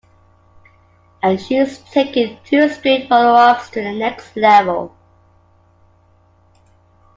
And she's taken two straight follow-ups to the next level.